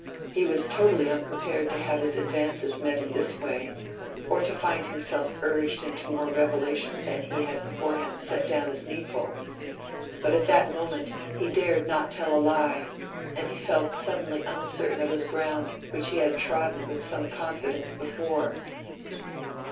He was totally unprepared to have his advances met in this way, or to find himself urged into more revelation than he had beforehand set down as needful. But at that moment he dared not tell a lie, and he felt suddenly uncertain of his ground which he had trodden with some confidence before.